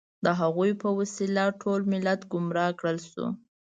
د هغوی په وسیله ټول ملت ګمراه کړل شو.